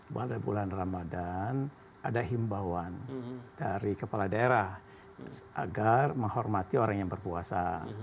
pada bulan ramadan ada himbauan dari kepala daerah agar menghormati orang yang berpuasa